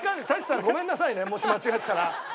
舘さんごめんなさいねもし間違ってたら。